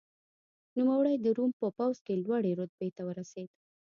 نوموړی د روم په پوځ کې لوړې رتبې ته ورسېد.